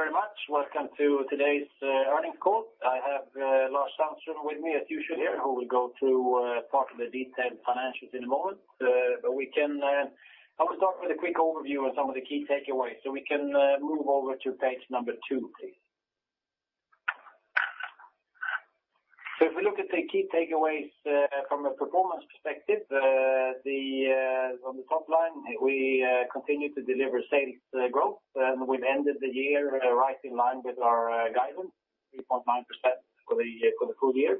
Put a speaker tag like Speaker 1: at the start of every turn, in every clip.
Speaker 1: Thank you very much. Welcome to today's earnings call. I have Lars Sandström with me as usual here, who will go through part of the detailed financials in a moment. But we can, I will start with a quick overview on some of the key takeaways, so we can move over to page number two, please. So if we look at the key takeaways, from a performance perspective, the, on the top line, we continue to deliver sales growth, and we've ended the year right in line with our guidance, 3.9% for the full year.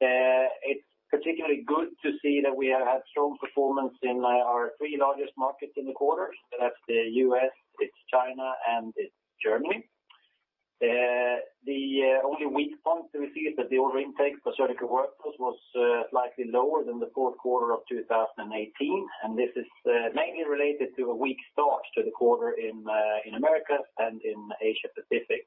Speaker 1: It's particularly good to see that we have had strong performance in our three largest markets in the quarter. That's the US, it's China, and it's Germany. The only weak point we see is that the order intake for Surgical Workflows was slightly lower than the fourth quarter of 2018, and this is mainly related to a weak start to the quarter in America and in Asia Pacific.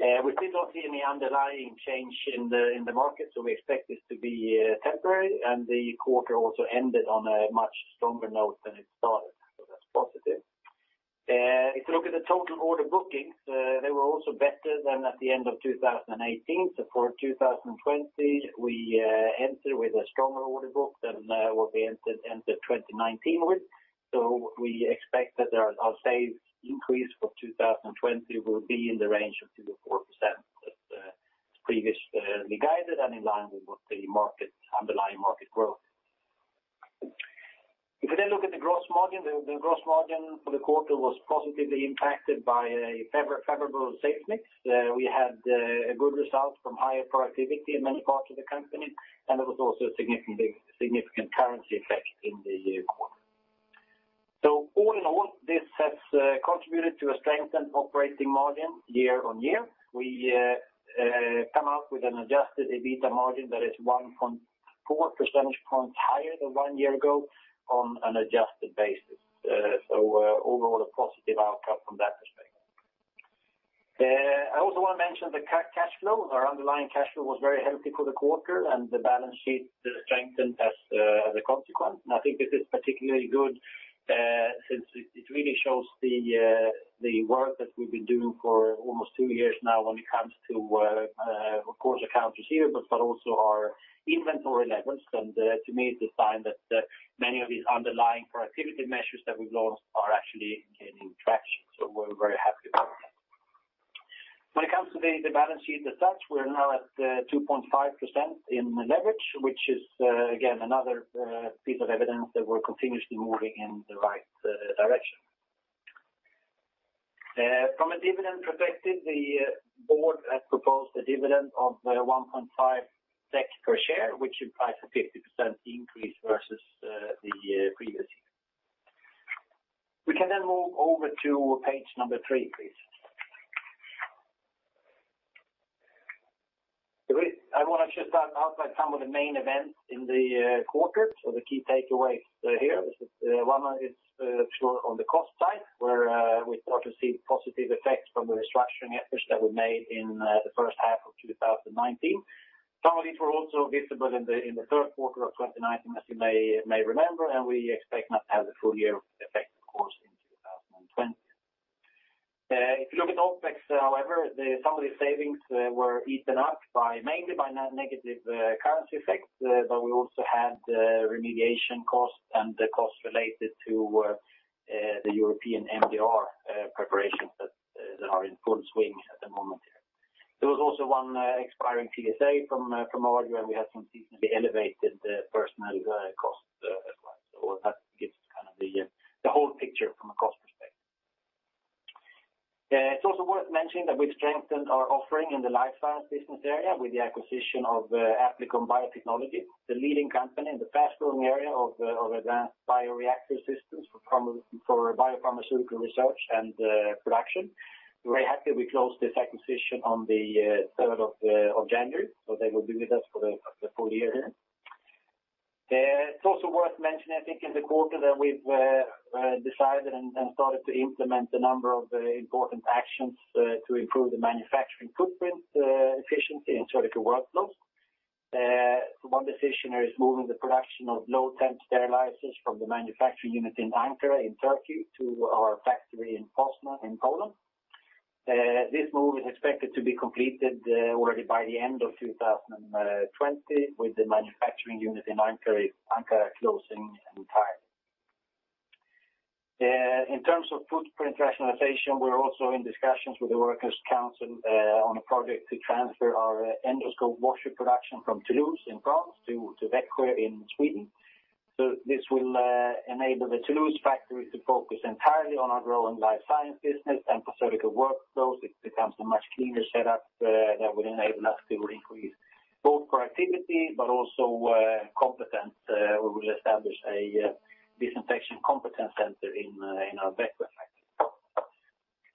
Speaker 1: We still don't see any underlying change in the market, so we expect this to be temporary, and the quarter also ended on a much stronger note than it started, so that's positive. If you look at the total order bookings, they were also better than at the end of 2018. So for 2020, we enter with a stronger order book than what we entered 2019 with. So we expect that our sales increase for 2020 will be in the range of 2% to 4%, as previously guided and in line with what the market -- underlying market growth. If you then look at the gross margin, the gross margin for the quarter was positively impacted by a favorable sales mix. We had a good result from higher productivity in many parts of the company, and there was also a significant currency effect in the quarter. So all in all, this has contributed to a strengthened operating margin year on year. We come out with an adjusted EBITDA margin that is 1.4 percentage points higher than one year ago on an adjusted basis. So overall, a positive outcome from that perspective. I also want to mention the cash flow. Our underlying cash flow was very healthy for the quarter, and the balance sheet strengthened as a consequence. And I think this is particularly good, since it really shows the work that we've been doing for almost two years now when it comes to, of course, accounts receivable, but also our inventory levels. To me, it's a sign that many of these underlying productivity measures that we've launched are actually gaining traction. So we're very happy about that. When it comes to the balance sheet as such, we're now at 2.5% in leverage, which is, again, another piece of evidence that we're continuously moving in the right direction. From a dividend perspective, the board has proposed a dividend of 1.5 SEK per share, which implies a 50% increase versus the previous year. We can then move over to page number three, please. I want to just outline some of the main events in the quarter. The key takeaways here. One is, sure, on the cost side, where we start to see positive effects from the restructuring efforts that we made in the first half of 2019. Some of these were also visible in the third quarter of 2019, as you may remember, and we expect that to have a full year effect, of course, in 2020. If you look at OpEx, however, some of these savings were eaten up by, mainly by negative currency effects, but we also had remediation costs and the costs related to the European MDR preparations that are in full swing at the moment here. There was also one expiring TSA from earlier, and we had some seasonally elevated personnel costs as well. So that gives kind of the whole picture from a cost perspective. It's also worth mentioning that we've strengthened our offering in the Life Science business area with the acquisition of Applikon Biotechnology, the leading company in the fast-growing area of advanced bioreactor systems for biopharmaceutical research and production. We're very happy we closed this acquisition on the third of January, so they will be with us for the full year here. It's also worth mentioning, I think, in the quarter that we've decided and started to implement a number of important actions to improve the manufacturing footprint efficiency in surgical workflows. So one decision is moving the production of low-temp sterilizers from the manufacturing unit in Ankara, in Turkey, to our factory in Poznań, in Poland. This move is expected to be completed already by the end of 2020, with the manufacturing unit in Ankara closing entirely. In terms of footprint rationalization, we're also in discussions with the workers' council on a project to transfer our endoscope washer production from Toulouse, France to Växjö, Sweden. So this will enable the Toulouse factory to focus entirely on our growing Life Science business and for Surgical Workflows, it becomes a much cleaner setup that will enable us to increase both productivity, but also competence. We will establish a disinfection competence center in our Växjö factory.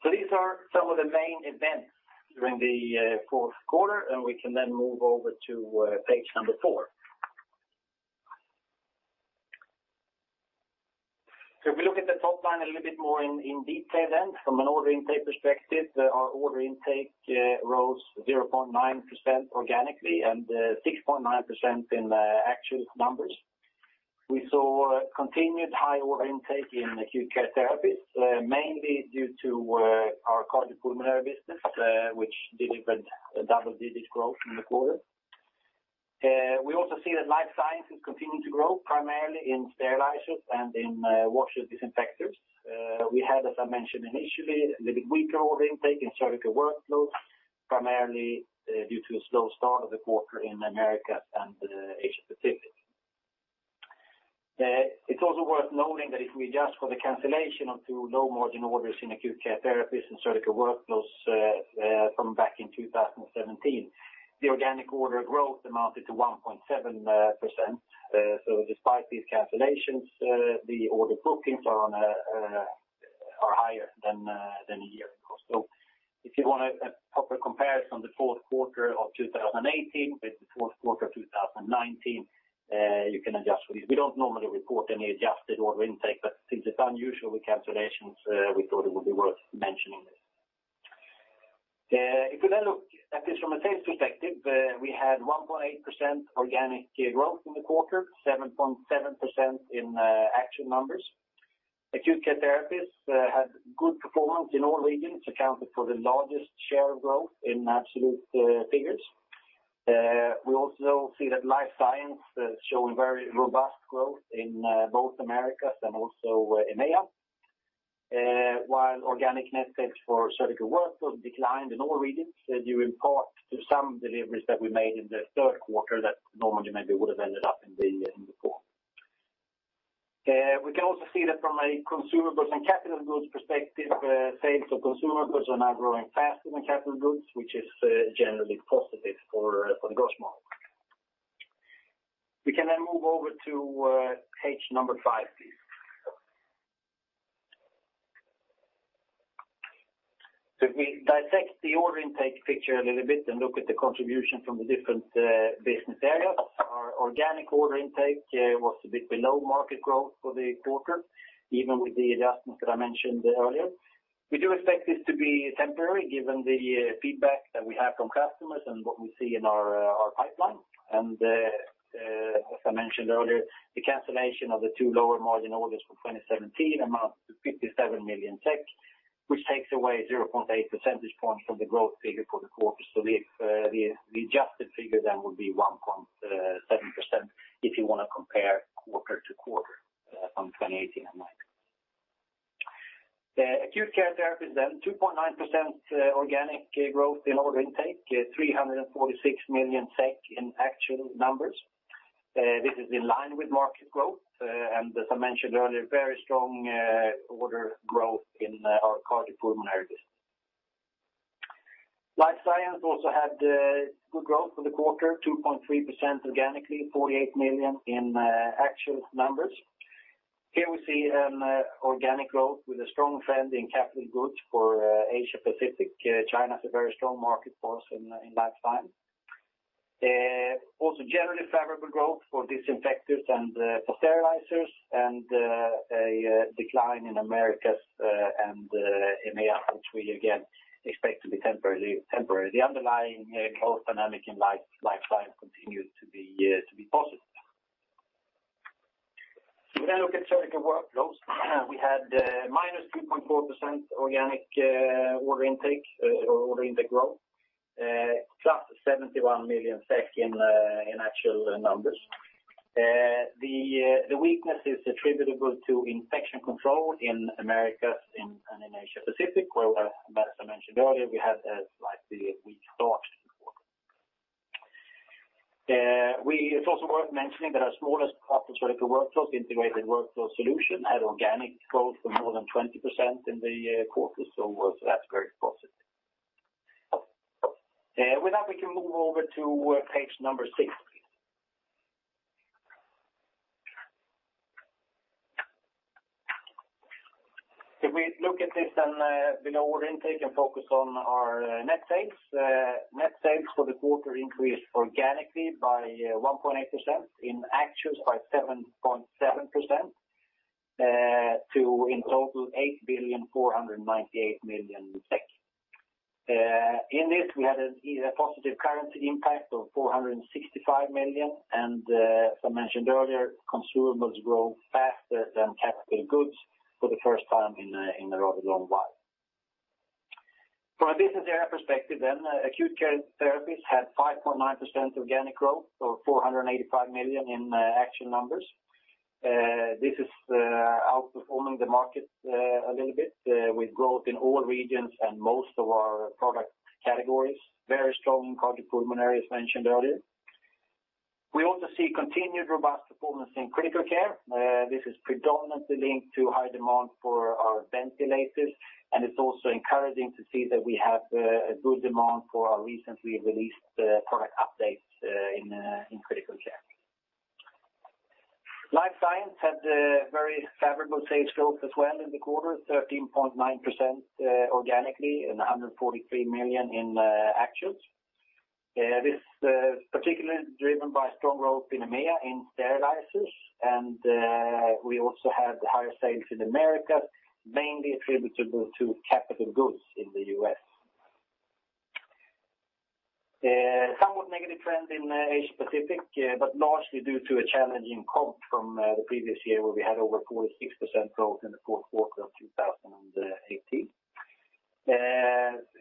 Speaker 1: So these are some of the main events during the fourth quarter, and we can then move over to page number four. So if we look at the top line a little bit more in detail then, from an order intake perspective, our order intake rose 0.9% organically and 6.9% in actual numbers. We saw continued high order intake in Acute Care Therapies, mainly due to our Cardiopulmonary business, which delivered a double-digit growth in the quarter. We also see that Life Science is continuing to grow, primarily in sterilizers and in washer disinfectors. We had, as I mentioned initially, a little weaker order intake in Surgical Workflows, primarily due to a slow start of the quarter in Americas and Asia Pacific. It's also worth noting that if we adjust for the cancellation of two low-margin orders in Acute Care Therapies and Surgical Workflows from back in 2017, the organic order growth amounted to 1.7%. So despite these cancellations, the order bookings are higher than a year ago. So if you want a proper comparison on the fourth quarter of 2018 with the fourth quarter of 2019, you can adjust for these. We don't normally report any adjusted order intake, but since it's unusual with cancellations, we thought it would be worth mentioning this. If we then look at this from a sales perspective, we had 1.8% organic growth in the quarter, 7.7% in actual numbers. Acute Care Therapies had good performance in all regions, accounted for the largest share of growth in absolute figures. We also see that Life Science showing very robust growth in both Americas and also EMEA. While organic net sales for Surgical Workflows declined in all regions, due in part to some deliveries that we made in the third quarter that normally maybe would have ended up in the fourth. We can also see that from a consumer goods and capital goods perspective, sales of consumer goods are now growing faster than capital goods, which is generally positive for the growth model. We can then move over to page number five, please. So if we dissect the order intake picture a little bit and look at the contribution from the different business areas, our organic order intake was a bit below market growth for the quarter, even with the adjustments that I mentioned earlier. We do expect this to be temporary, given the feedback that we have from customers and what we see in our pipeline. As I mentioned earlier, the cancellation of the two lower margin orders from 2017 amounts to 57 million SEK, which takes away 0.8 percentage points from the growth figure for the quarter. So the adjusted figure then would be 1.7% if you want to compare quarter to quarter, from 2018 and 2019. The Acute Care Therapies, then 2.9% organic growth in order intake, 346 million SEK in actual numbers. This is in line with market growth, and as I mentioned earlier, very strong order growth in our Cardiopulmonary business. Life Science also had good growth for the quarter, 2.3% organically, 48 million in actual numbers. Here we see an organic growth with a strong trend in capital goods for Asia Pacific. China is a very strong market for us in Life Science. Also generally favorable growth for disinfectors and for sterilizers, and a decline in Americas and EMEA, which we again expect to be temporary. The underlying growth dynamic in Life Science continues to be positive. If we then look at Surgical Workflows, we had negative 2.4% organic order intake or order intake growth plus 71 million SEK in actual numbers. The weakness is attributable to Infection Control in Americas and in Asia Pacific, where, as I mentioned earlier, we had a slightly weak start. It's also worth mentioning that our smallest part of Surgical Workflows, Integrated Workflow Solutions, had organic growth of more than 20% in the quarter, so that's very positive. With that, we can move over to page number six, please. If we look at this and below order intake and focus on our net sales, net sales for the quarter increased organically by 1.8%, in actuals by 7.7%, to in total 8,498 million SEK. In this, we had a positive currency impact of 465 million, and as I mentioned earlier, consumables grow faster than capital goods for the first time in a rather long while. From a business area perspective then, Acute Care Therapies had 5.9% organic growth, or 485 million in actual numbers. This is outperforming the market a little bit with growth in all regions and most of our product categories. Very strong in Cardiopulmonary, as mentioned earlier. We also see continued robust performance in Critical Care. This is predominantly linked to high demand for our ventilators, and it's also encouraging to see that we have a good demand for our recently released product updates in Critical Care. Life Science had a very favorable sales growth as well in the quarter, 13.9% organically, and 143 million in actuals. This particularly driven by strong growth in EMEA, in sterilizers, and we also had higher sales in America, mainly attributable to capital goods in the US. Somewhat negative trend in Asia Pacific, but largely due to a challenging comp from the previous year, where we had over 46% growth in the fourth quarter of 2018.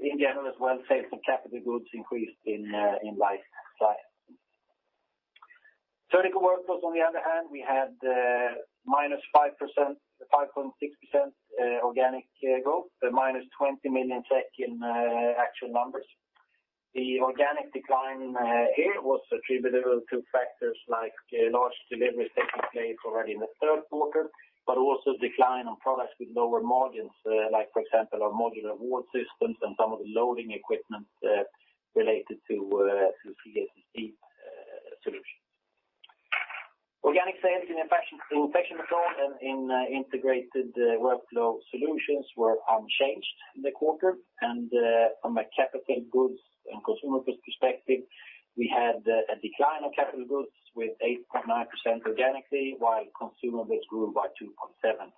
Speaker 1: In general, as well, sales and capital goods increased in Life Science. Surgical Workflows, on the other hand, we had minus 5%, 5.6% organic growth, the minus 20 million SEK in actual numbers. The organic decline here was attributable to factors like large deliveries taking place already in the third quarter, but also decline on products with lower margins, like, for example, our modular ward systems and some of the loading equipment related to CSD solution. Organic sales in Infection Control and in Integrated Workflow Solutions were unchanged in the quarter. From a capital goods and consumables perspective, we had a decline of capital goods with 8.9% organically, while consumables grew by 2.7%.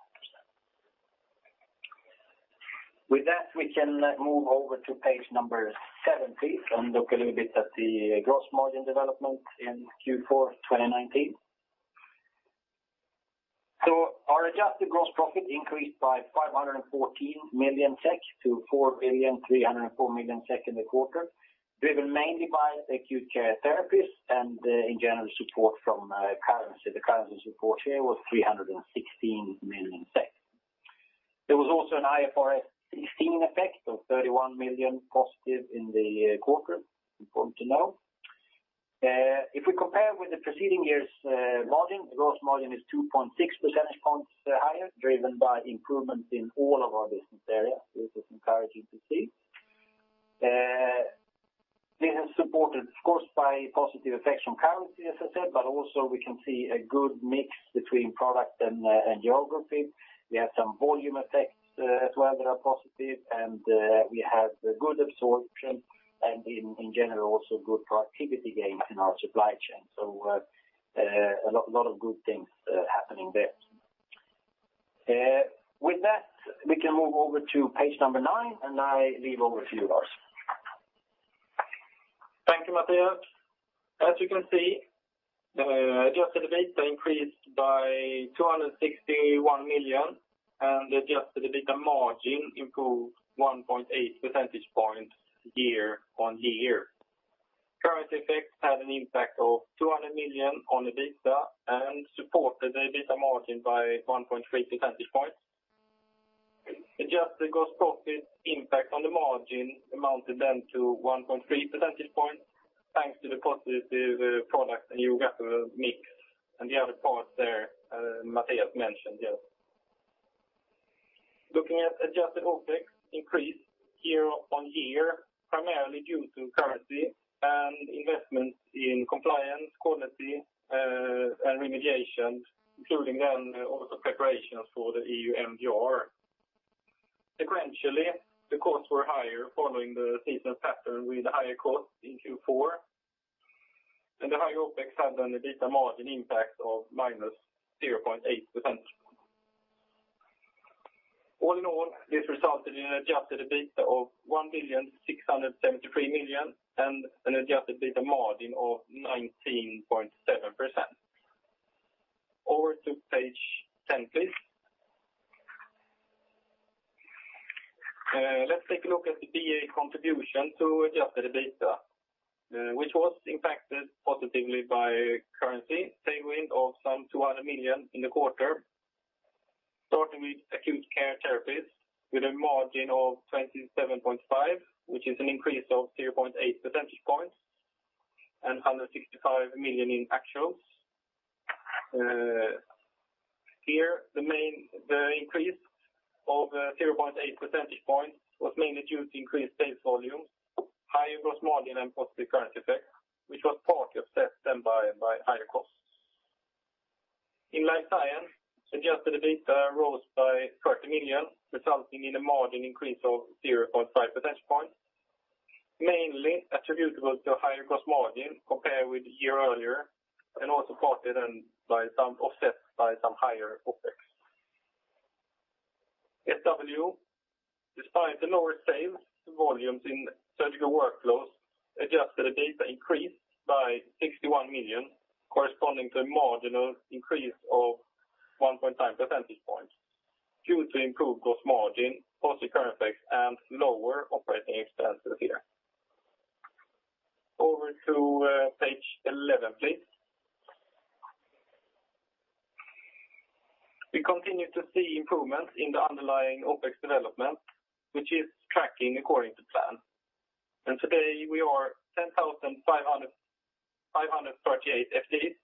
Speaker 1: With that, we can move over to page seven, please, and look a little bit at the gross margin development in fourth quarter 2019. So our adjusted gross profit increased by 514 to 4,304 million in the quarter, driven mainly by Acute Care Therapies and, in general, support from currency. The currency support here was 316 million. There was also an IFRS 15 effect of 31 million positive in the quarter, important to know. If we compare with the preceding year's margin, the gross margin is 2.6 percentage points higher, driven by improvements in all of our business areas, which is encouraging to see. This is supported, of course, by positive effects from currency, as I said, but also we can see a good mix between product and geography. We have some volume effects as well that are positive, and we have good absorption, and in general, also good productivity gains in our supply chain. So, a lot of good things happening there. With that, we can move over to page number nine, and I leave over to you, Lars.
Speaker 2: Thank you, Mattias. As you can see, adjusted EBITDA increased by 261 million, and the adjusted EBITDA margin improved 1.8 percentage points year-on-year. Currency effects had an impact of 200 million on EBITDA and supported the EBITDA margin by 1.3 percentage points. Adjusted gross profit impact on the margin amounted then to 1.3 percentage points, thanks to the positive product and geographical mix, and the other parts there, Mattias mentioned, yes. Looking at adjusted OpEx increase year-on-year, primarily due to currency and investments in compliance, quality, and remediation, including then also preparations for the EU MDR. Sequentially, the costs were higher following the seasonal pattern with higher costs in fourth quarter, and the higher OpEx had an EBITDA margin impact of negative 0.8%. All in all, this resulted in an adjusted EBITDA of 1,673 million, and an adjusted EBITDA margin of 19.7%. Over to page ten, please. Let's take a look at the BA contribution to adjusted EBITDA, which was impacted positively by currency tailwind of some 200 million in the quarter. Starting with Acute Care Therapies, with a margin of 27.5%, which is an increase of 0.8 percentage points, and 165 million in actuals. Here, the main increase of 0.8 percentage points was mainly due to increased sales volumes, higher gross margin and positive currency effect, which was partly offset by higher costs. In Life Science, adjusted EBITDA rose by 30 million, resulting in a margin increase of 0.5 percentage points, mainly attributable to higher gross margin compared with a year earlier, and also partly offset by some higher OpEx. SW, despite the lower sales volumes in Surgical Workflows, adjusted EBITDA increased by 61 million, corresponding to a margin increase of 1.5 percentage points, due to improved gross margin, positive currency effects, and lower operating expenses here. Over to page eleven, please. We continue to see improvements in the underlying OpEx development, which is tracking according to plan. And today, we are 10,538 FTEs,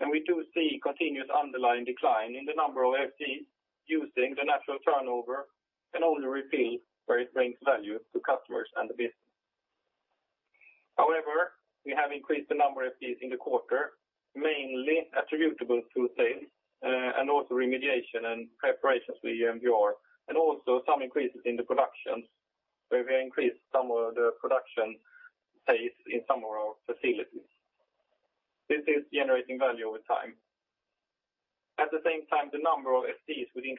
Speaker 2: and we do see continuous underlying decline in the number of FTEs using the natural turnover, and only refill where it brings value to customers and the business. However, we have increased the number of FTEs in the quarter, mainly attributable to sales, and also remediation and preparations for the MDR, and also some increases in the production, where we increased some of the production pace in some of our facilities. This is generating value over time. At the same time, the number of FTEs within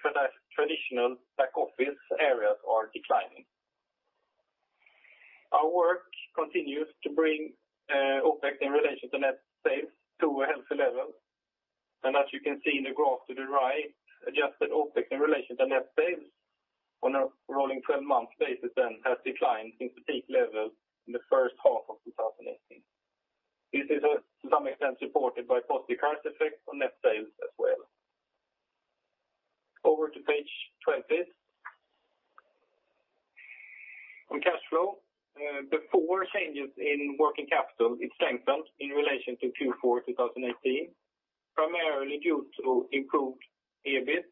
Speaker 2: traditional back office areas are declining. Our work continues to bring OpEx in relation to net sales to a healthy level. As you can see in the graph to the right, adjusted OpEx in relation to net sales on a rolling 12-month basis has declined since the peak level in the first half of 2018. This is to some extent supported by positive price effects on net sales as well. Over to page 20. On cash flow, before changes in working capital, it strengthened in relation to fourth quarter 2018, primarily due to improved EBIT,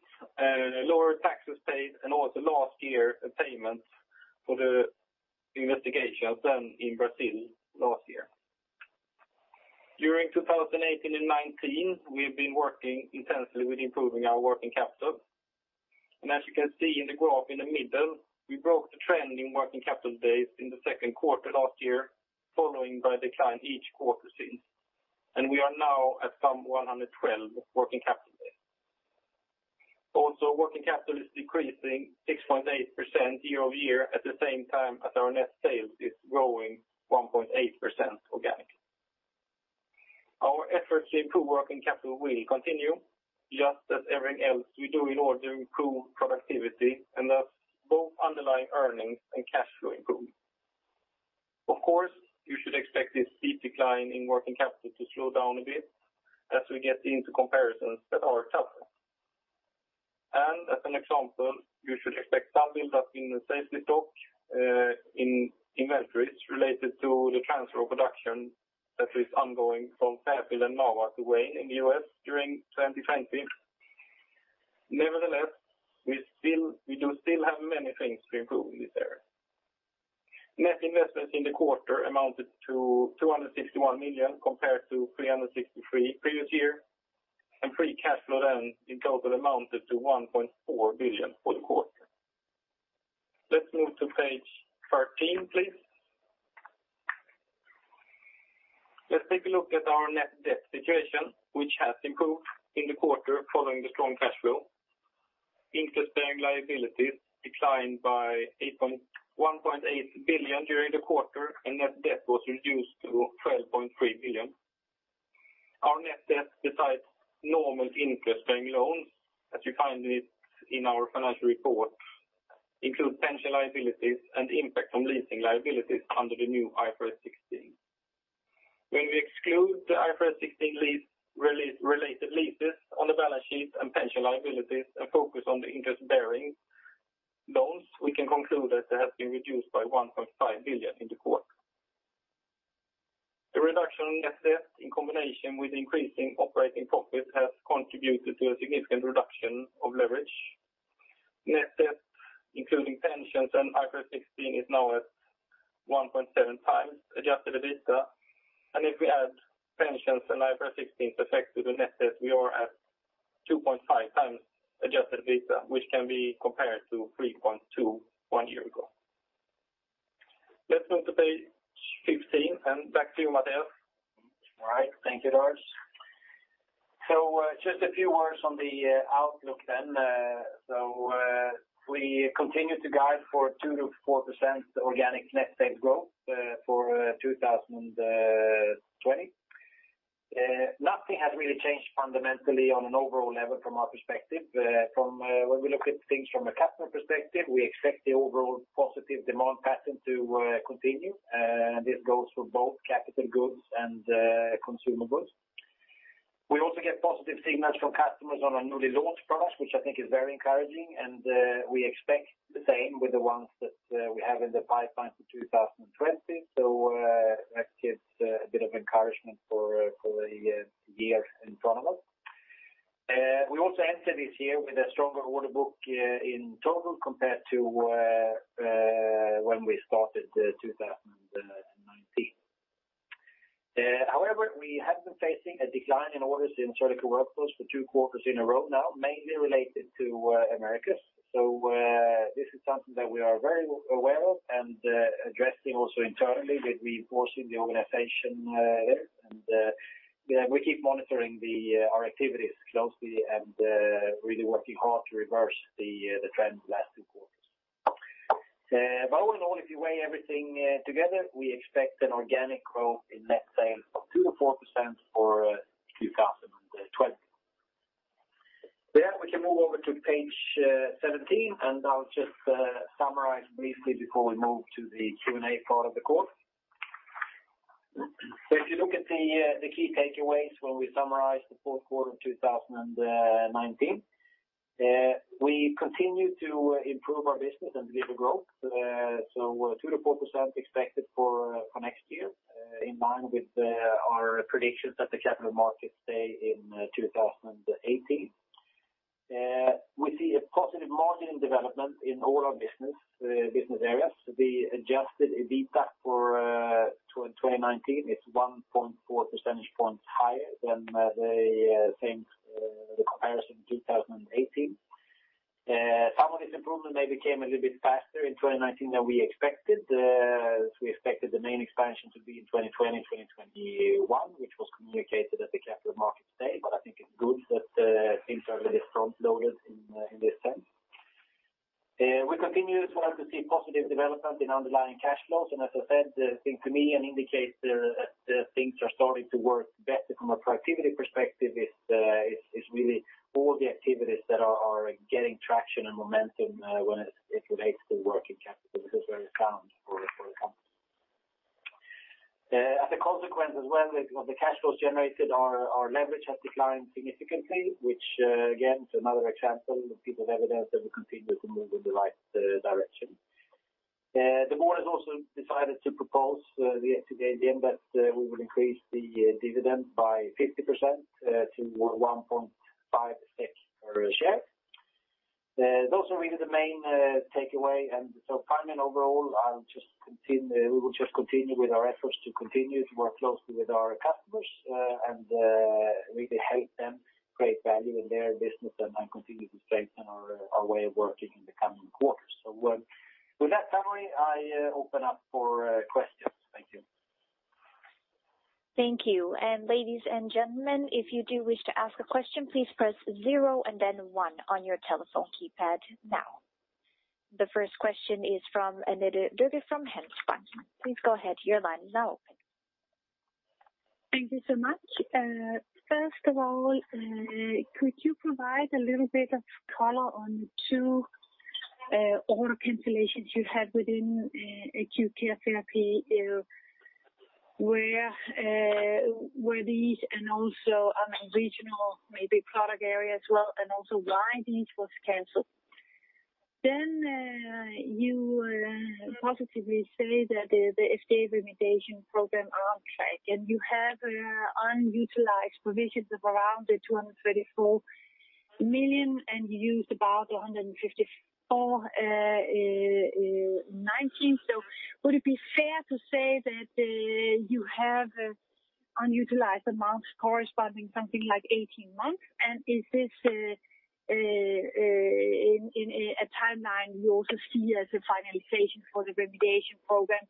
Speaker 2: lower taxes paid, and also last year's payments for the investigation done in Brazil last year. During 2018 and 2019, we've been working intensely with improving our working capital. And as you can see in the graph in the middle, we broke the trend in working capital days in the second quarter last year, following by a decline each quarter since. And we are now at some 112 working capital days. Also, working capital is decreasing 6.8% year-over-year, at the same time as our net sales is growing 1.8% organically. Our efforts to improve working capital will continue, just as everything else we do in order to improve productivity, and thus, both underlying earnings and cash flow improve. Of course, you should expect this steep decline in working capital to slow down a bit as we get into comparisons that are tougher. And as an example, you should expect some build-up in the safety stock, in inventories related to the transfer of production that is ongoing from Fairfield and Marana to Wayne in the US during 2020. Nevertheless, we still—we do still have many things to improve in this area. Net investment in the quarter amounted to 261 million, compared to 363 million previous year, and free cash flow then in total amounted to 1.4 billion for the quarter. Let's move to page 13, please. Let's take a look at our net debt situation, which has improved in the quarter following the strong cash flow. Interest-bearing liabilities declined by 8.1 billion during the quarter, and net debt was reduced to 12.3 billion. Our net debt, besides normal interest-bearing loans, as you find it in our financial report, include pension liabilities and impact from leasing liabilities under the new IFRS 16. When we exclude the IFRS 16 lease-related leases on the balance sheet and pension liabilities, and focus on the interest-bearing loans, we can conclude that they have been reduced by 1.5 billion in the quarter. The reduction in net debt, in combination with increasing operating profit, has contributed to a significant reduction of leverage. Net debt, including pensions and IFRS 16, is now at 1.7 times adjusted EBITDA. If we add pensions and IFRS 16 effect to the net debt, we are at 2.5 times adjusted EBITDA, which can be compared to 3.2 one year ago. Let's move to page 15, and back to you, Mattias.
Speaker 1: All right. Thank you, Lars. So, just a few words on the outlook then. So, we continue to guide for 2% to 4% organic net sales growth for 2020. Nothing has really changed fundamentally on an overall level from our perspective. From when we look at things from a customer perspective, we expect the overall positive demand pattern to continue, and this goes for both capital goods and consumer goods. We also get positive signals from customers on our newly launched products, which I think is very encouraging, and we expect the same with the ones that we have in the pipeline for 2020. So, that gives a bit of encouragement for the year in front of us. We also enter this year with a stronger order book, in total compared to, when we started, 2019. However, we have been facing a decline in orders in Surgical Workflows for two quarters in a row now, mainly related to, Americas. So, this is something that we are very aware of and, addressing also internally with reinforcing the organization, here. And, yeah, we keep monitoring the, our activities closely and, really working hard to reverse the, the trend of the last two quarters. But all in all, if you weigh everything, together, we expect an organic growth in net sales of 2% to 4% for 2020. With that, we can move over to page 17, and I'll just summarize briefly before we move to the Q&A part of the call. So if you look at the key takeaways when we summarize the fourth quarter of 2019, we continue to improve our business and deliver growth. So 2% to 4% expected for next year, in line with our predictions at the capital markets day in 2018. We see a positive margin development in all our business areas. The adjusted EBITDA for 2019 is 1.4 percentage points higher than the same comparison in 2018. Some of this improvement maybe came a little bit faster in 2019 than we expected. We expected the main expansion to be in 2020, 2021, which was communicated at the Capital Markets Day, but I think it's good that things are a little front loaded in this sense. We continue as well to see positive development in underlying cash flows, and as I said, the thing to me and indicates that things are starting to work better from a productivity perspective is really all the activities that are getting traction and momentum when it relates to working capital, which is very sound for the company. As a consequence as well, with the cash flows generated, our leverage has declined significantly, which again is another example of piece of evidence that we continue to move in the right direction. The board has also decided to propose to the AGM again that we will increase the dividend by 50% to 1.5 SEK per share. Those are really the main takeaway, and so finally, overall, I'll just continue—we will just continue with our efforts to continue to work closely with our customers and really help them create value in their business and continue to strengthen our way of working in the coming quarters. So with that summary, I open up for questions. Thank you.
Speaker 3: Thank you. Ladies and gentlemen, if you do wish to ask a question, please press zero and then one on your telephone keypad now. The first question is from Annette Lykke from Handelsbanken. Please go ahead, your line is now open.
Speaker 4: Thank you so much. First of all, could you provide a little bit of color on the two order cancellations you had within acute care therapy? Where were these, and also on a regional, maybe product area as well, and also why these was canceled? Then you positively say that the FDA remediation program are on track, and you have unutilized provisions of around 234 million, and you used about 154 million in 2019. So would it be fair to say that you have unutilized amounts corresponding something like 18 months? And is this in a timeline you also see as a finalization for the remediation program?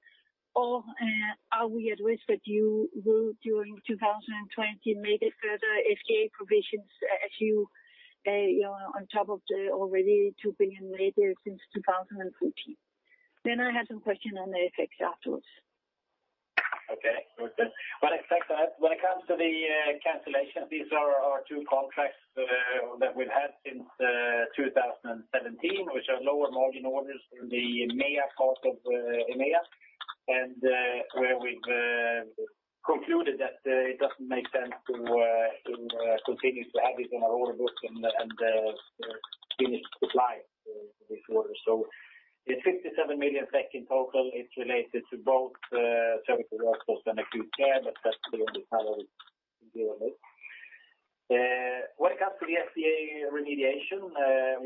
Speaker 4: Or, are we at risk that you will, during 2020, make a further FDA provisions as you, you know, on top of the already 2 billion made there since 2014? Then I have some question on the FX afterwards.
Speaker 1: Okay, good. Well, expect that when it comes to the cancellation, these are our two contracts that we've had since 2017, which are lower margin orders in the MEA part of EMEA. And where we've concluded that it doesn't make sense to continue to have it on our order book and finish supply this order. So the 57 million in total, it's related to both Surgical Workflows and acute care, but that's the only time we deal with it. When it comes to the FDA remediation,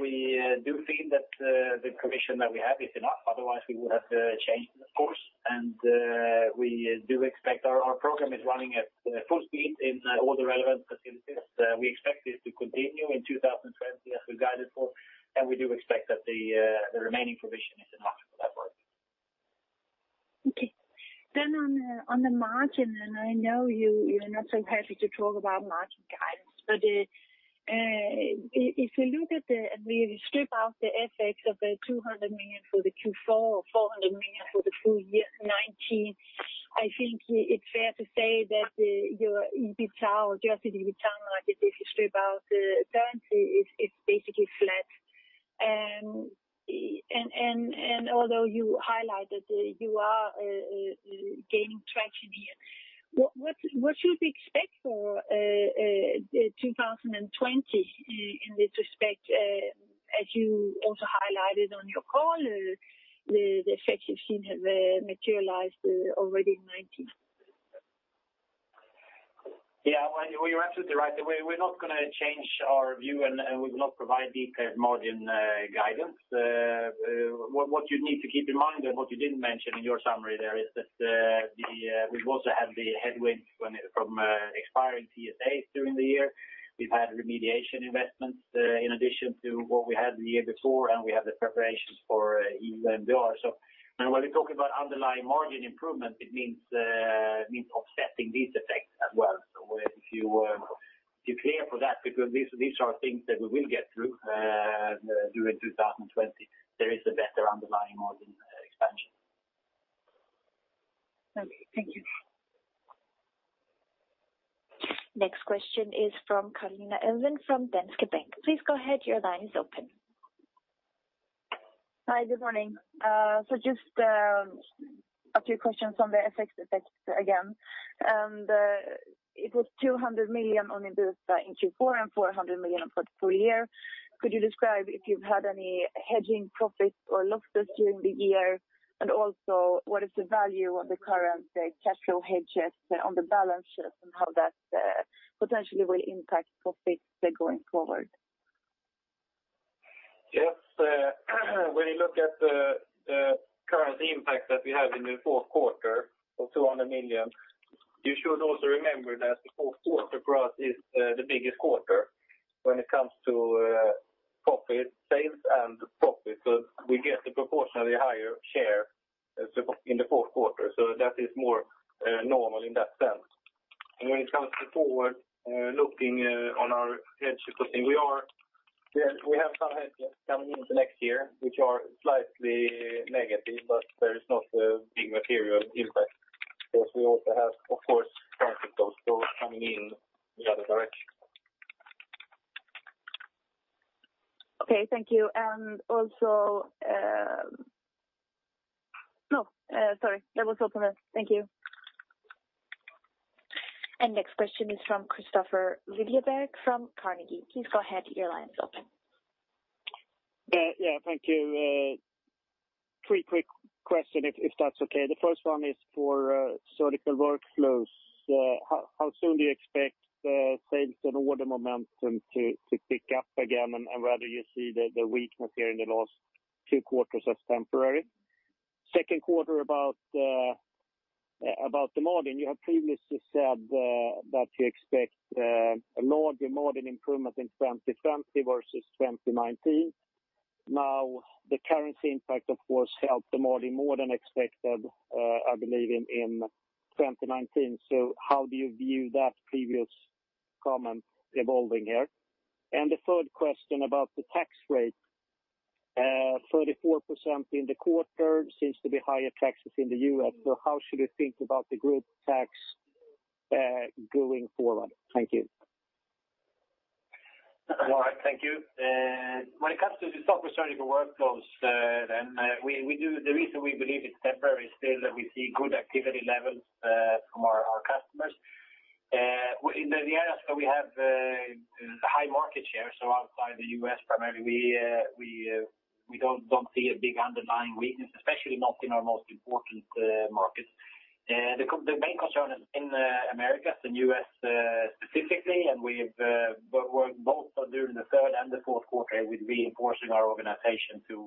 Speaker 1: we do feel that the permission that we have is enough, otherwise we would have to change the course. And we do expect our program is running at full speed in all the relevant facilities. We expect this to continue in 2020, as we guided for, and we do expect that the remaining provision is enough for that work.
Speaker 4: Okay. Then on the margin, and I know you, you're not so happy to talk about margin guidance, but if we look at the, and we strip out the effects of the 200 million for the fourth quarter or 400 million for the full year 2019, I think it's fair to say that your EBITDA, or just the EBITDA, like, if you strip out currency, is basically flat. And although you highlighted that you are gaining traction here, what should we expect for 2020 in this respect, as you also highlighted on your call, the effects you've seen have materialized already in 2019?
Speaker 1: Yeah, well, you're absolutely right. We're not gonna change our view, and we will not provide deeper margin guidance. What you need to keep in mind, and what you didn't mention in your summary there, is that we've also had the headwind from expiring TSAs during the year. We've had remediation investments in addition to what we had the year before, and we have the preparations for EU MDR. So when we talk about underlying margin improvement, it means offsetting these effects as well. So if you account for that, because these are things that we will get through during 2020, there is a better underlying margin expansion.
Speaker 4: Okay. Thank you.
Speaker 3: Next question is from Carina Elvin, from Danske Bank. Please go ahead, your line is open.
Speaker 5: Hi, good morning. So just a few questions on the FX effects again. It was SEK 200 million only this in fourth quarter and 400 million for the full year. Could you describe if you've had any hedging profits or losses during the year? And also, what is the value of the current cash flow hedges on the balance sheet, and how that potentially will impact profits going forward?
Speaker 1: Yes, when you look at the current impact that we have in the fourth quarter of 200 million.
Speaker 2: You should also remember that the fourth quarter for us is the biggest quarter when it comes to profit, sales, and profit. So we get a proportionally higher share in the fourth quarter, so that is more normal in that sense. And when it comes to forward looking on our hedge putting, we have some hedges coming into next year, which are slightly negative, but there is not a big material impact, because we also have, of course, principles also coming in the other direction.
Speaker 5: Okay, thank you. And also, no, sorry, that was all for me. Thank you.
Speaker 3: And next question is from Kristofer Liljeberg from Carnegie. Please go ahead, your line is open.
Speaker 6: Yeah, thank you. Three quick questions, if that's okay. The first one is for Surgical Workflows. How soon do you expect sales and order momentum to pick up again, and whether you see the weakness here in the last two quarters as temporary? Second question about the margin, you have previously said that you expect a large margin improvement in 2020 versus 2019. Now, the currency impact, of course, helped the margin more than expected, I believe, in 2019. So how do you view that previous comment evolving here? And the third question about the tax rate, 34% in the quarter seems to be higher taxes in the US, so how should we think about the group tax going forward? Thank you.
Speaker 1: All right. Thank you. When it comes to the Surgical Workflows, then we do—the reason we believe it's temporary is still that we see good activity levels from our customers. In the areas where we have the high market share, so outside the US, primarily, we don't see a big underlying weakness, especially not in our most important markets. The main concern is in America, the US, specifically, and we've but worked both during the third and the fourth quarter with reinforcing our organization to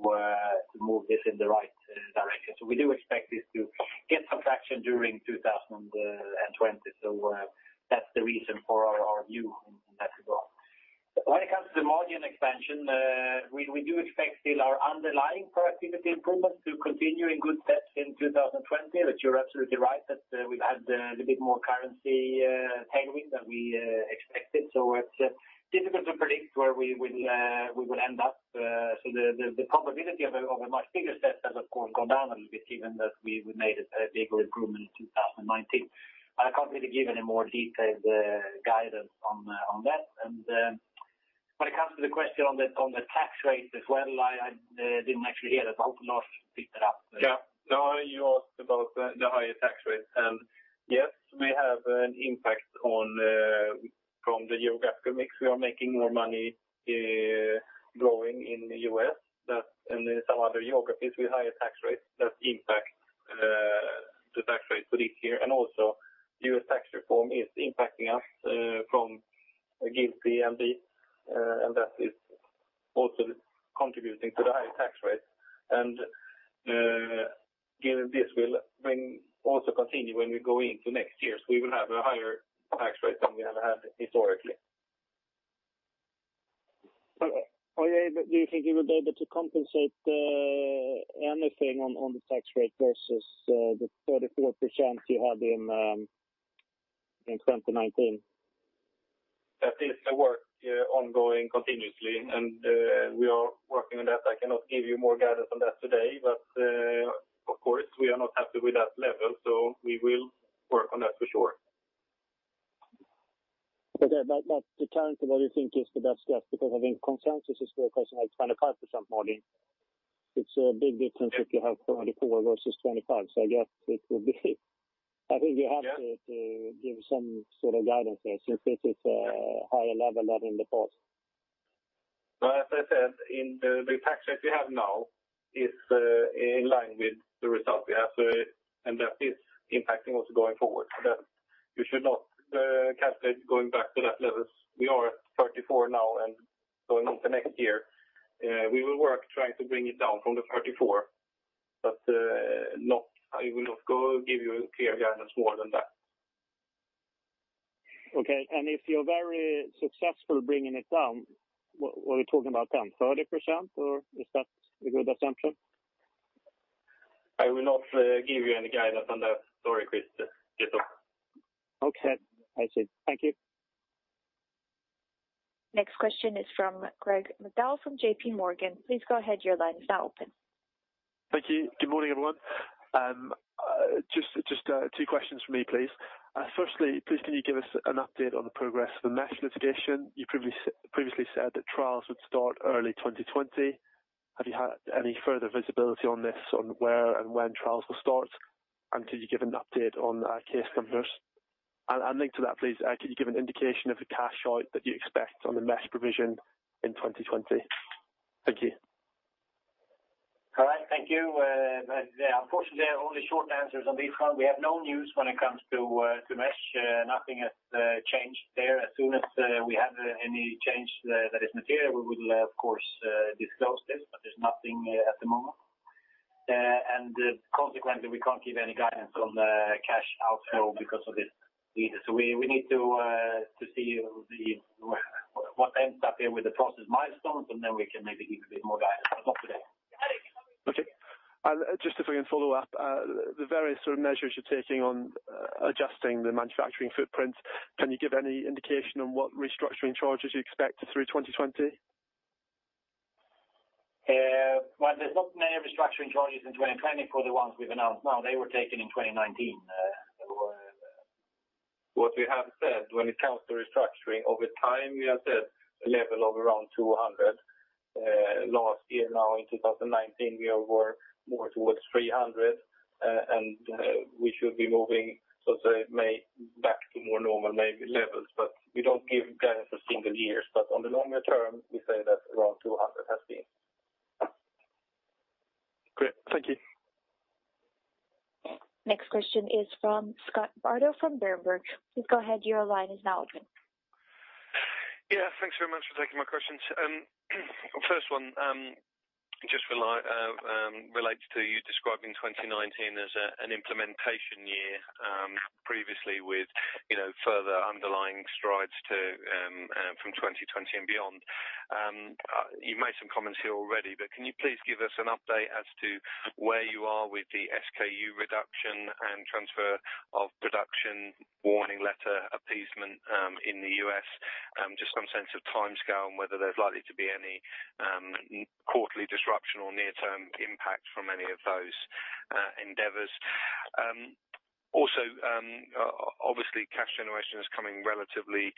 Speaker 1: move this in the right direction. So we do expect this to get some traction during 2020. So, that's the reason for our view on that as well. When it comes to the margin expansion, we do expect still our underlying productivity improvement to continue in good steps in 2020. But you're absolutely right, that we've had a little bit more currency tailwind than we expected. So it's difficult to predict where we will end up. So the probability of a much bigger step has of course gone down a little bit, given that we made a bigger improvement in 2019. I can't really give any more detailed guidance on that. When it comes to the question on the tax rate as well, I didn't actually hear that, but I hope Lars picked it up.
Speaker 2: Yeah. No, you asked about the higher tax rate. And yes, we have an impact from the geographical mix. We are making more money, growing in the US, that and some other geographies with higher tax rates. That impacts the tax rate pretty heavily. And also, US tax reform is impacting us from, again, PMD, and that is also contributing to the higher tax rate. And given this will also continue when we go into next year, so we will have a higher tax rate than we have had historically.
Speaker 6: Do you think you will be able to compensate anything on the tax rate versus the 34% you had in 2019?
Speaker 2: That is a work ongoing continuously, and we are working on that. I cannot give you more guidance on that today, but of course, we are not happy with that level, so we will work on that for sure.
Speaker 6: Okay. But the current, what you think is the best guess? Because I think consensus is more closer to like 25% margin. It's a big difference if you have 34% versus 25%, so I guess it will be. I think you have...
Speaker 2: Yeah
Speaker 6: To give some sort of guidance there, since this is a higher level than in the past.
Speaker 2: Well, as I said, in the tax rate we have now is in line with the result we have. So, and that is impacting us going forward. So that you should not calculate going back to that level. We are at 34% now, and so in the next year, we will work trying to bring it down from the 34%, but, not, I will not go give you a clear guidance more than that.
Speaker 6: Okay. If you're very successful bringing it down, what, what are we talking about then, 30%, or is that a good assumption?
Speaker 2: I will not give you any guidance on that. Sorry, Kris. Yes, sir.
Speaker 6: Okay. I see. Thank you.
Speaker 3: Next question is from Craig McDowell from JPMorgan. Please go ahead, your line is now open.
Speaker 7: Thank you. Good morning, everyone. Just two questions from me, please. Firstly, please, can you give us an update on the progress of the mesh litigation? You previously said that trials would start early 2020. Have you had any further visibility on this, on where and when trials will start? And could you give an update on case numbers? And linked to that, please, could you give an indication of the cash out that you expect on the mesh provision in 2020? Thank you.
Speaker 1: All right. Thank you. But yeah, unfortunately, only short answers on this one. We have no news when it comes to mesh. Nothing has changed there. As soon as we have any change that is material, we will, of course, disclose this, but there's nothing at the moment... and consequently, we can't give any guidance on the cash outflow because of this either. So we need to see what ends up here with the process milestones, and then we can maybe give a bit more guidance, but not today.
Speaker 7: Okay. And just if we can follow up, the various sort of measures you're taking on adjusting the manufacturing footprint, can you give any indication on what restructuring charges you expect through 2020?
Speaker 1: Well, there's not many restructuring charges in 2020 for the ones we've announced now. They were taken in 2019. What we have said when it comes to restructuring, over time, we have said a level of around 200 million. Last year now in 2019, we are more, more towards 300, and we should be moving, so say, may back to more normal maybe levels, but we don't give guidance for single years. But on the longer term, we say that around 200 million has been.
Speaker 7: Great. Thank you.
Speaker 3: Next question is from Scott Bardo from Berenberg. Please go ahead, your line is now open.
Speaker 8: Yeah, thanks very much for taking my questions. First one, just relates to you describing 2019 as an implementation year, previously with, you know, further underlying strides to from 2020 and beyond. You've made some comments here already, but can you please give us an update as to where you are with the SKU reduction and transfer of production warning letter appeasement in the US? Just some sense of timescale and whether there's likely to be any quarterly disruption or near-term impact from any of those endeavors. Also, obviously, cash generation is coming relatively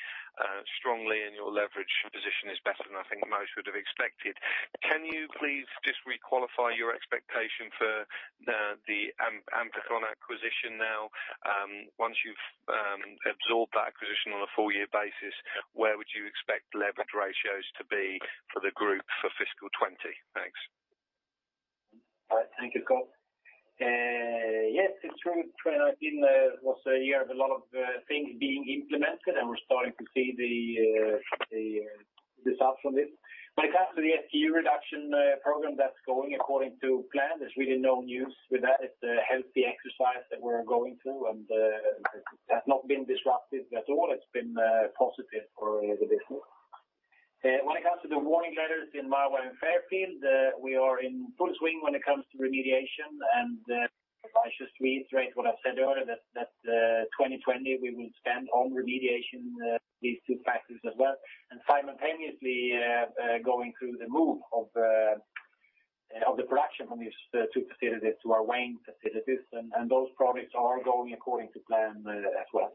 Speaker 8: strongly, and your leverage position is better than I think most would have expected. Can you please just re-qualify your expectation for the Applikon acquisition now? Once you've absorbed that acquisition on a full year basis, where would you expect leverage ratios to be for the group for fiscal 2020? Thanks.
Speaker 1: All right. Thank you, Scott. Yes, it's true. 2019 was a year of a lot of things being implemented, and we're starting to see the results from this. When it comes to the SKU reduction program, that's going according to plan. There's really no news with that. It's a healthy exercise that we're going through, and that's not been disruptive at all. It's been positive for the business. When it comes to the warning letters in Marana and Fairfield, we are in full swing when it comes to remediation, and I should reiterate what I said earlier, that 2020, we will spend on remediation these two factors as well. And simultaneously, going through the move of the production from these two facilities to our Wayne facilities, and those projects are going according to plan, as well.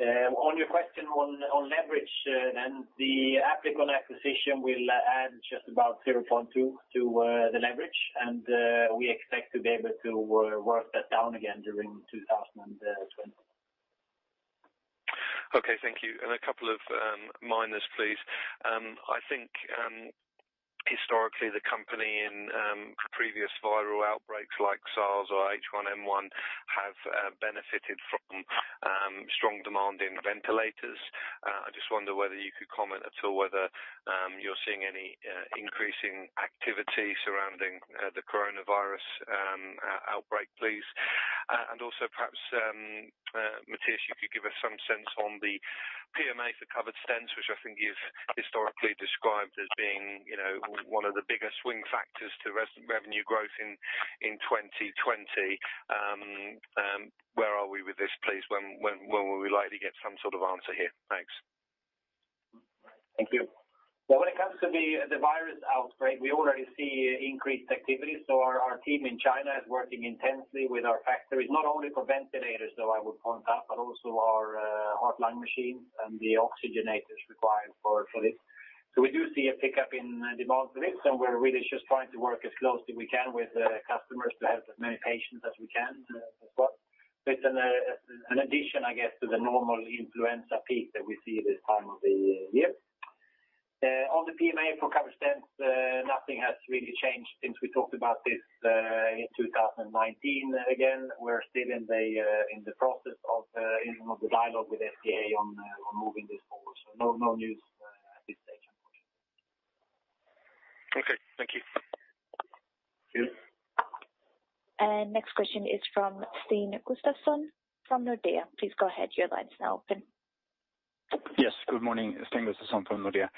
Speaker 1: On your question on leverage, then the Applikon acquisition will add just about 0.2 to the leverage, and we expect to be able to work that down again during 2020.
Speaker 8: Okay, thank you. A couple of minors, please. I think historically the company in previous viral outbreaks like SARS or H1N1 have benefited from strong demand in ventilators. I just wonder whether you could comment at all whether you're seeing any increasing activity surrounding the coronavirus outbreak, please. And also perhaps Mattias, you could give us some sense on the PMA for covered stents, which I think you've historically described as being you know one of the biggest swing factors to revenue growth in 2020. Where are we with this, please? When will we likely get some sort of answer here? Thanks.
Speaker 1: Thank you. Well, when it comes to the virus outbreak, we already see increased activity. So our team in China is working intensely with our factories, not only for ventilators, though I would point out, but also our heart lung machines and the oxygenators required for this. So we do see a pickup in demand for this, and we're really just trying to work as closely we can with the customers to help as many patients as we can, as well. It's an addition, I guess, to the normal influenza peak that we see this time of the year. On the PMA for covered stents, nothing has really changed since we talked about this in 2019. Again, we're still in the process of the dialogue with FDA on moving this forward. So no, no news at this stage.
Speaker 8: Okay, thank you.
Speaker 1: Yeah.
Speaker 3: Next question is from Sten Gustafsson from Nordea. Please go ahead, your line is now open.
Speaker 9: Yes, good morning. Sten Gustafsson from Nordea.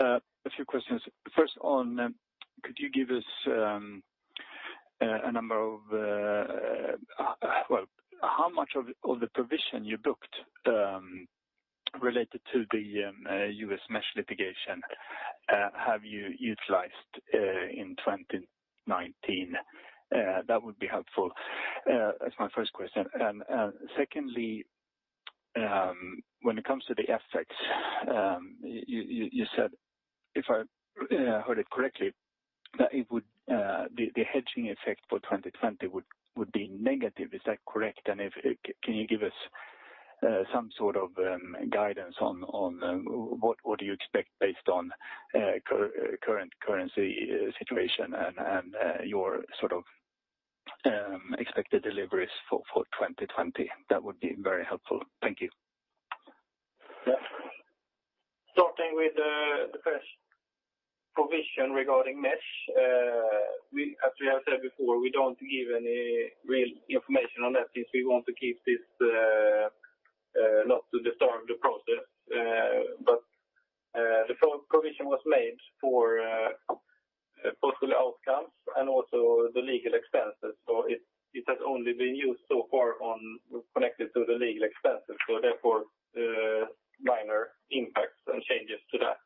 Speaker 9: A few questions. First on, could you give us a number of, well, how much of the provision you booked, related to the US mesh litigation, have you utilized in 2019? That would be helpful. That's my first question. And, secondly, when it comes to the FX, you said, if I heard it correctly, that it would the hedging effect for 2020 would be negative. Is that correct? And if, can you give us some sort of guidance on what do you expect based on current currency situation and your sort of expected deliveries for 2020? That would be very helpful. Thank you.
Speaker 1: Yes.
Speaker 2: Starting with the first provision regarding mesh, as we have said before, we don't give any real information on that since we want to keep this not to disturb the process. But the full provision was made for possible outcomes and also the legal expenses. So it has only been used so far on connected to the legal expenses, so therefore minor impacts and changes to that.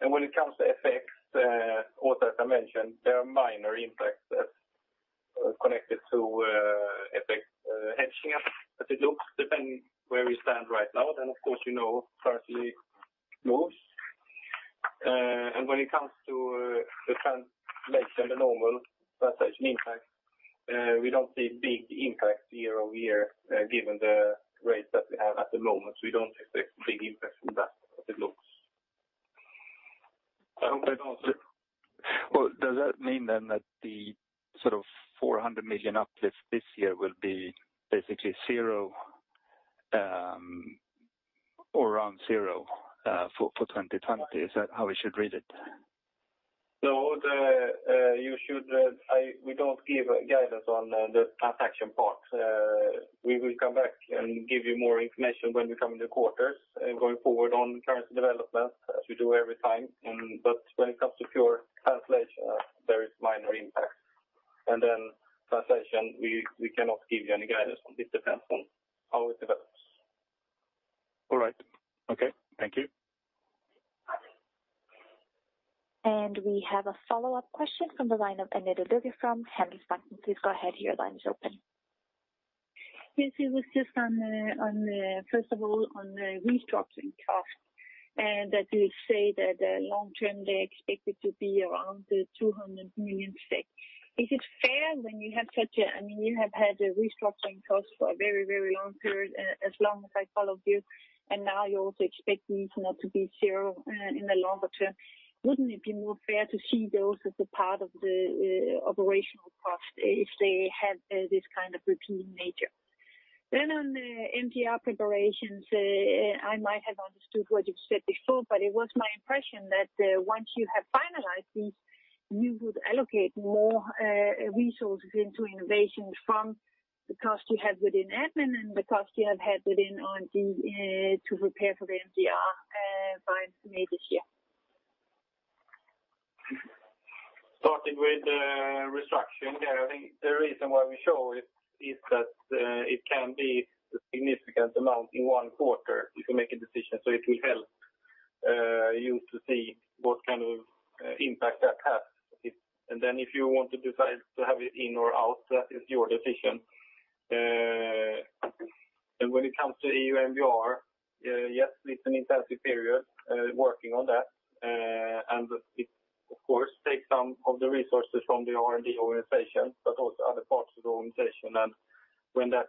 Speaker 2: And when it comes to FX, also, as I mentioned, there are minor impacts that are connected to FX hedging. As it looks, depending where we stand right now, then of course, you know, currency moves. When it comes to the translation, the normal translation impact, we don't see big impacts year over year, given the rates that we have at the moment, we don't expect big impact from that as it looks. I hope I've answered.
Speaker 9: Well, does that mean then that the sort of 400 million uplift this year will be basically zero, or around zero, for 2020? Is that how we should read it?
Speaker 2: We don't give guidance on the transaction part. We will come back and give you more information when we come in the quarters going forward on currency development, as we do every time. But when it comes to pure translation, there is minor impact. Then translation, we cannot give you any guidance on this, depends on how it develops.
Speaker 9: All right. Okay. Thank you.
Speaker 3: We have a follow-up question from the line of Annette Lykke from Handelsbanken. Please go ahead, your line is open.
Speaker 4: Yes, it was just on the first of all, on the restructuring cost, and that you say that long term, they're expected to be around 200 million SEK. Is it fair when you have such a, I mean, you have had a restructuring cost for a very, very long period, as long as I followed you, and now you're also expecting it not to be zero in the longer term. Wouldn't it be more fair to see those as a part of the operational cost if they have this kind of repeating nature? On the MDR preparations, I might have understood what you've said before, but it was my impression that, once you have finalized this, you would allocate more resources into innovation from the cost you have within admin and the cost you have had within R&D, to prepare for the MDR, by May this year.
Speaker 2: Starting with the restructuring, yeah, I think the reason why we show it is that it can be a significant amount in one quarter if you make a decision, so it will help you to see what kind of impact that has. And then if you want to decide to have it in or out, that is your decision. And when it comes to EU MDR, yes, it's an intensive period working on that. And it, of course, takes some of the resources from the R&D organization, but also other parts of the organization. And when that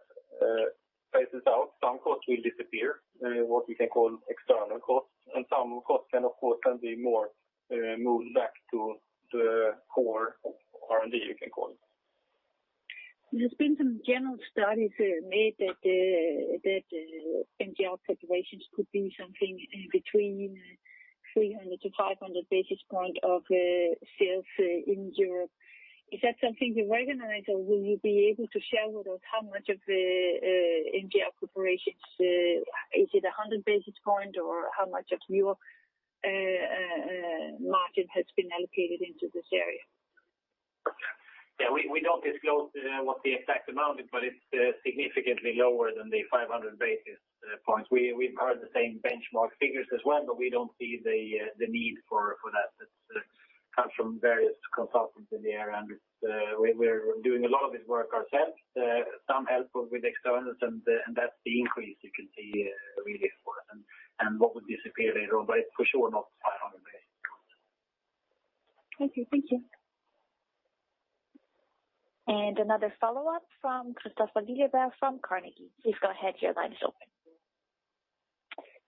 Speaker 2: phases out, some costs will disappear, what we can call external costs, and some costs can, of course, can be more moved back to the core R&D, you can call it.
Speaker 4: There's been some general studies made that MDR preparations could be something in between 300 to 500 basis point of sales in Europe. Is that something you recognize, or will you be able to share with us how much of the MDR preparations, is it a 100 basis point, or how much of your margin has been allocated into this area?
Speaker 2: Yeah, we don't disclose what the exact amount is, but it's significantly lower than the 500 basis points. We've heard the same benchmark figures as well, but we don't see the need for that. That comes from various consultants in the area, and we're doing a lot of this work ourselves, some help with externals, and that's the increase you can see really for it and what would disappear later on, but it's for sure not 500 basis points.
Speaker 4: Okay. Thank you.
Speaker 3: Another follow-up from Kristofer Liljeberg from Carnegie. Please go ahead, your line is open.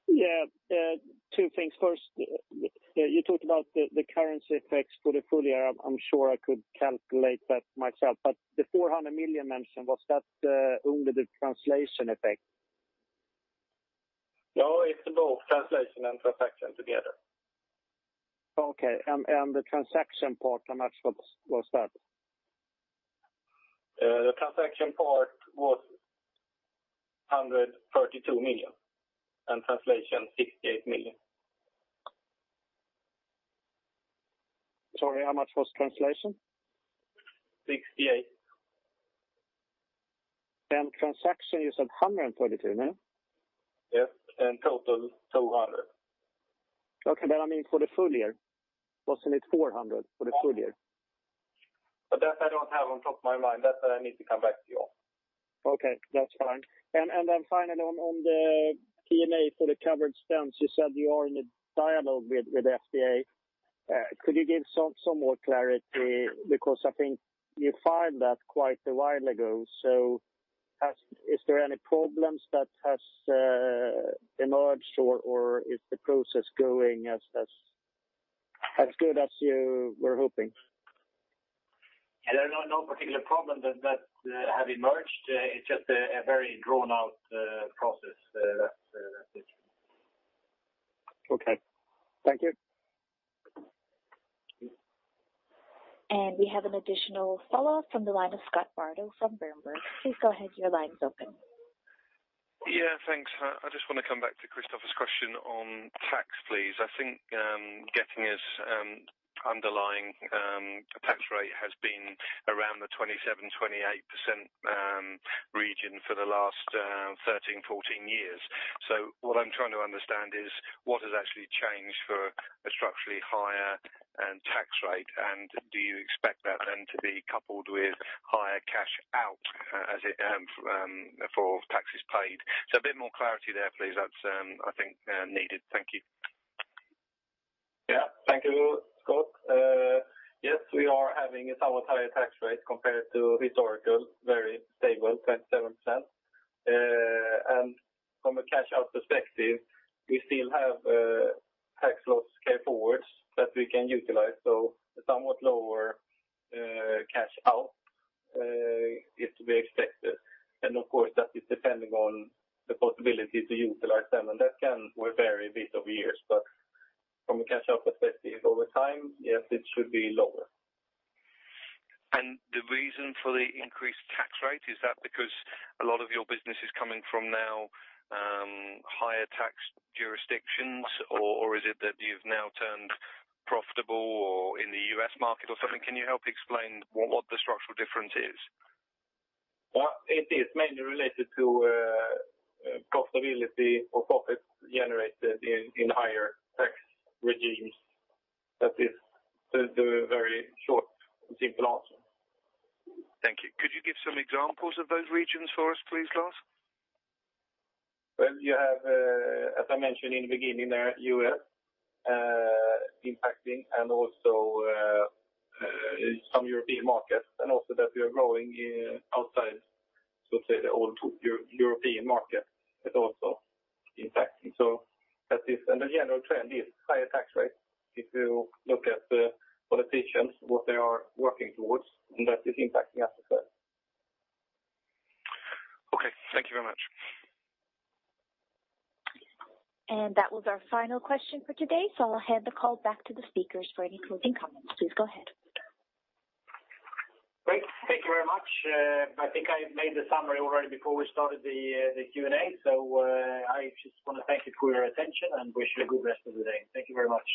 Speaker 6: Yeah, two things. First, you talked about the currency effects for the full year. I'm sure I could calculate that myself, but the 400 million mentioned, was that only the translation effect?
Speaker 2: No, it's both translation and transaction together.
Speaker 6: Okay. And the transaction part, how much was that?
Speaker 2: The transaction part was 132 million, and translation, 68 million.
Speaker 6: Sorry, how much was translation?
Speaker 2: 68 million.
Speaker 6: Transaction, you said 132 million, no?
Speaker 2: Yes, and total, 200 million.
Speaker 6: Okay, but I mean, for the full year, wasn't it 400 million for the full year?
Speaker 2: But that I don't have on top of my mind. That I need to come back to you on.
Speaker 6: Okay, that's fine. And then finally, on the PMA for the covered stents, you said you are in a dialogue with the FDA. Could you give some more clarity? Because I think you filed that quite a while ago. So has... Is there any problems that has emerged, or is the process going as good as you were hoping?
Speaker 2: Yeah, there are no particular problem that have emerged. It's just a very drawn out process, that's it.
Speaker 6: Okay. Thank you.
Speaker 3: We have an additional follow-up from the line of Scott Bardo from Berenberg. Please go ahead, your line is open.
Speaker 8: Yeah, thanks. I just want to come back to Kristofer's question on tax, please. I think Getinge's underlying tax rate has been around the 27% to 28% region for the last 13 to 14 years. So what I'm trying to understand is what has actually changed for a structurally higher tax rate? And do you expect that then to be coupled with higher cash out as it for taxes paid? So a bit more clarity there, please. That's, I think, needed. Thank you.
Speaker 2: Yeah. Thank you, Scott. Yes, we are having a somewhat higher tax rate compared to historical, very stable, 27%. And from a cash out perspective, we still have tax loss carryforwards that we can utilize, so somewhat lower cash out is to be expected. And of course, that is depending on the possibility to utilize them, and that can vary a bit over years, but from a cash out perspective, over time, yes, it should be lower.
Speaker 8: The reason for the increased tax rate is that because a lot of your business is coming from now, higher tax jurisdictions, or is it that you've now turned profitable or in the US market or something? Can you help explain what the structural difference is?
Speaker 2: Well, it is mainly related to profitability or profits generated in higher tax regimes. That is the very short and simple answer.
Speaker 8: Thank you. Could you give some examples of those regions for us, please, Lars?
Speaker 2: Well, you have, as I mentioned in the beginning, there, US, impacting and also some European markets, and also that we are growing outside, so say, the old European market is also impacting. So that is... And the general trend is higher tax rates. If you look at the politicians, what they are working towards, and that is impacting us as well.
Speaker 8: Okay. Thank you very much.
Speaker 3: That was our final question for today, so I'll hand the call back to the speakers for any closing comments. Please go ahead.
Speaker 2: Great. Thank you very much. I think I made the summary already before we started the Q&A. So, I just want to thank you for your attention and wish you a good rest of the day. Thank you very much.